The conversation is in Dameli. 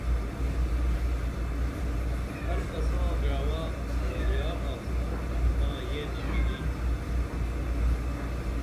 ہر کساں گعوہ اولیار آڅِنا تاں یینہ مِلی